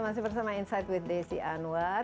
masih bersama insight with desi anwar